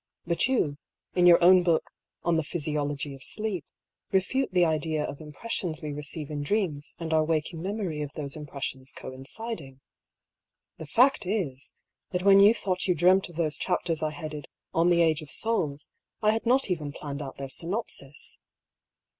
But you, in your own book On the Physiology of Sleep^ refute the idea of impressions we receive in dreams and our waking memory of those impressions coinciding. The fact is, that when you thought you dreamt of those chapters I headed ^ On the Age of Souls,' I had not even planned out their synopsis." 244 I>S. PAULL'S THEORY.